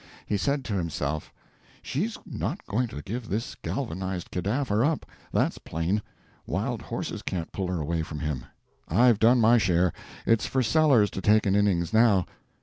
He said to himself, "She's not going to give this galvanized cadaver up, that's plain. Wild horses can't pull her away from him. I've done my share; it's for Sellers to take an innings, now."